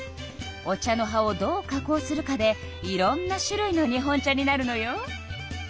お茶の葉をどう加工するかでいろんな種類の日本茶になるのよ。